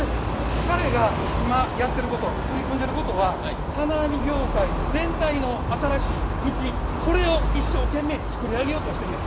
彼が今やってること取り組んでることはこれを一生懸命作り上げようとしてるんです。